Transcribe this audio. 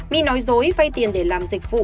my nói dối vai tiền để làm dịch vụ